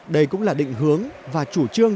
đây cũng là định hướng và chủ trương